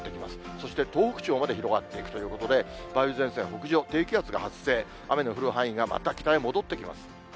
そして東北地方まで広がっていくということで、梅雨前線北上、低気圧が発生、雨の降る範囲がまた北へ戻ってきます。